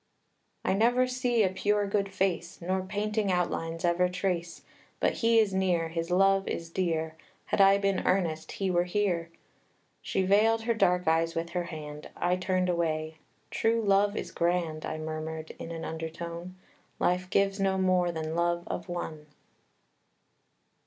III. "I never see a pure, good face, Nor painting outlines ever trace, But he is near, his love is dear, Had I been earnest; he were here!" She veiled her dark eyes with her hand; I turned away, "True love is grand," I murmured, in an undertone; "Life gives no more than love of one."